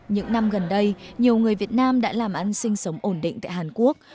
những năm gần đây nhiều người việt nam đã làm ăn sinh sống ổn định tại hàn quốc